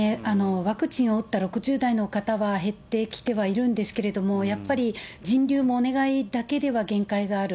ワクチンを打った６０代の方は減ってきてはいるんですけれども、やっぱり人流もお願いだけでは限界がある。